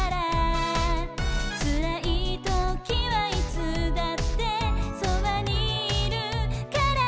「つらいときはいつだってそばにいるから」